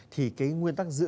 thì cái nguyên tắc giữ